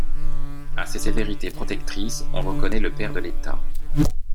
À ces sévérités protectrices, on reconnaît le père de l’état.